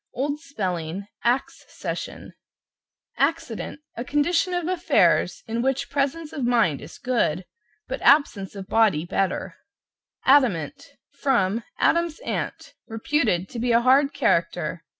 Old spelling, Axe session. =ACCIDENT= A condition of affairs in which presence of mind is good, but absence of body better. =ADAMANT= From "Adam's Aunt," reputed to be a hard character.